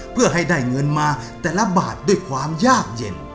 เพื่อให้ได้เงินมาแต่ละบาทด้วยความยากเย็น